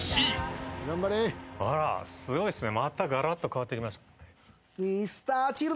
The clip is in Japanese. あらすごいっすね。